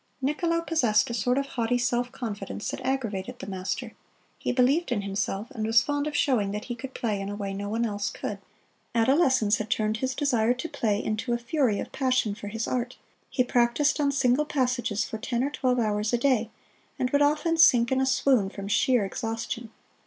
Niccolo possessed a sort of haughty self confidence that aggravated the master; he believed in himself and was fond of showing that he could play in a way no one else could. Adolescence had turned his desire to play into a fury of passion for his art: he practised on single passages for ten or twelve hours a day, and would often sink in a swoon from sheer exhaustion.